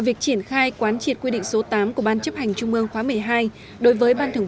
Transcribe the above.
việc triển khai quán triệt quy định số tám của ban chấp hành trung mương khóa một mươi hai đối với ban thường